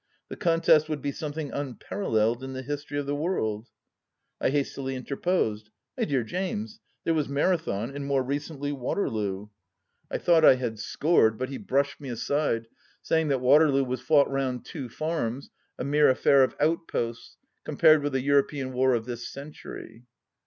The contest would be something unparalleled in the history of the world," I hastily interposed :" My dear James, there was Mara thon, and more recently Waterloo 1 " 84 THE LAST DITCH I thought I had scored, but he brushed me aside, saying that Waterloo was fought round two farms, a mere affair of outposts, compared with a European war of this century.